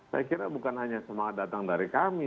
saya kira bukan hanya semangat datang dari kami